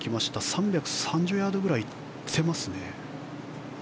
３３０ヤードぐらい行ってますね。